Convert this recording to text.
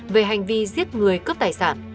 về hành vi giết người cướp tài sản